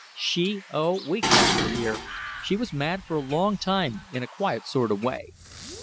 "She! Oh! we kept her here. She was mad for a long time in a quiet sort of way.